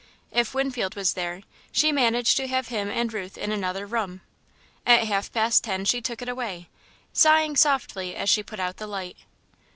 If Winfield was there, she managed to have him and Ruth in another room. At half past ten, she took it away, sighing softly as she put out the light.